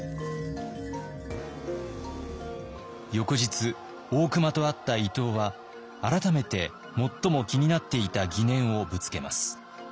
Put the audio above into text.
翌日大隈と会った伊藤は改めて最も気になっていた疑念をぶつけます。